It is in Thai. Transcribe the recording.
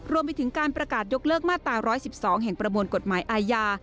รวมไปถึงการประกาศยกเลิกมาตรา๑๑๒แห่งประมวลกฎหมายอาญา